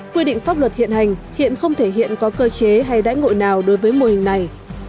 quy định pháp luật hiện hành hiện không thể hiện có cơ chế hay đãi ngội nào đối với mô hình này